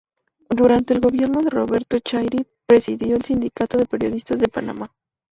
Durante el gobierno de Roberto Chiari presidió el Sindicato de Periodistas de Panamá.